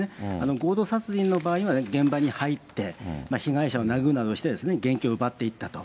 強盗殺人の場合には、現場に入って、被害者を殴るなどして現金を奪っていったと。